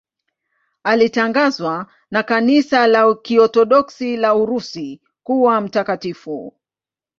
Alitangazwa na Kanisa la Kiorthodoksi la Urusi kuwa mtakatifu.